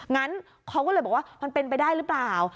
งั้นเขาก็เลยบอกว่ามันเป็นไปได้หรือเปล่า